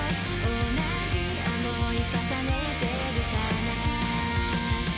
同じ想い重ねてるかな？